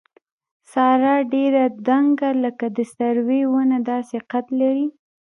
ساره ډېره دنګه لکه د سروې ونه داسې قد لري.